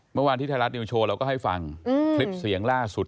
เมื่อวานที่ไทยรัฐนิวโชว์เราก็ให้ฟังคลิปเสียงล่าสุด